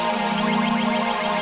itu bukannya wajum ya